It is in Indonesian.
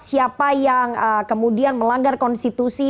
siapa yang kemudian melanggar konstitusi